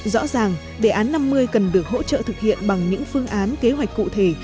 rõ ràng đề án năm mươi cần được hỗ trợ thực hiện bằng những phương án kế hoạch cụ thể